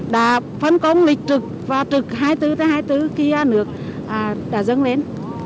đã phân công lịch trực và trực hai mươi bốn hai mươi bốn kia nước đã dâng lên